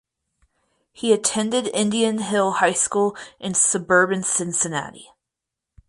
He attended Indian Hill High School in suburban Cincinnati.